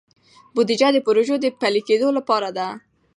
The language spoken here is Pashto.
بودیجه د پروژو د پلي کیدو لپاره ده.